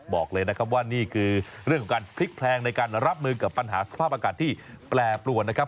บอกเลยนะครับว่านี่คือเรื่องของการพลิกแพลงในการรับมือกับปัญหาสภาพอากาศที่แปรปรวนนะครับ